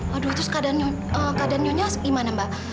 aduh terus keadaan nyonya gimana mbak